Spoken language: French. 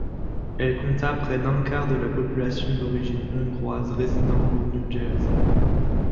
Elle compta près d'un quart de la population d'origine hongroise résidant au New Jersey.